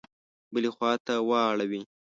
بلي خواته واړوي.